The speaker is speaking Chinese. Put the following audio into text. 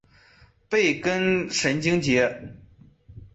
背根神经节。